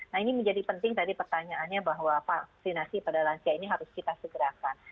nah ini menjadi penting tadi pertanyaannya bahwa vaksinasi pada lansia ini harus kita segerakan